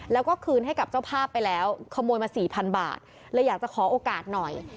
แล้วก็คืนให้กับเจ้าภาพไปแล้วขโมยมาสี่พันบาทเลยอยากจะขอโอกาสหน่อย